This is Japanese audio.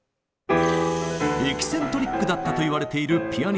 エキセントリックだったといわれているピアニストグールド。